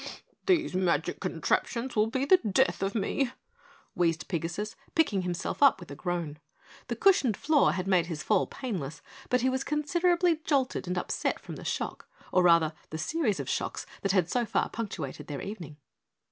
"These magic contraptions will be the death of me," wheezed Pigasus, picking himself up with a groan. The cushioned floor had made his fall painless, but he was considerably jolted and upset from the shock, or rather the series of shocks that had so far punctuated their evening.